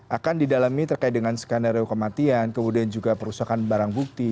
akan didalami terkait dengan skenario kematian kemudian juga perusahaan barang bukti